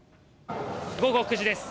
午後９時です。